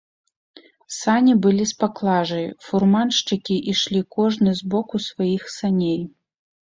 Сані былі з паклажай, фурманшчыкі ішлі кожны з боку сваіх саней.